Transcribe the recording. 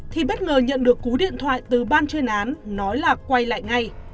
thì bất ngờ nhận được cú điện thoại từ ban chuyên án nói là quay lại ngay